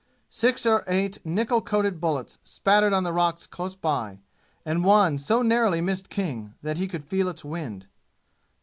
Six or eight nickel coated bullets spattered on the rocks close by, and one so narrowly missed King that he could feel its wind.